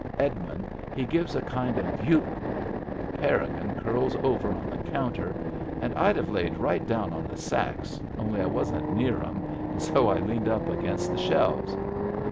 Edmund he gives a kind of youp I Parrigin curls over on the counter, and I'd have laid right down on the sacks, only I wasn't near 'em, and so I leaned up against the shelves.